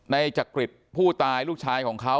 จักริตผู้ตายลูกชายของเขา